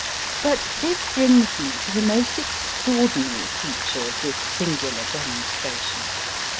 But this brings me to the most extraordinary feature of this singular demonstration.